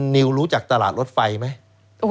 นิวรู้จักตลาดรถไฟไหม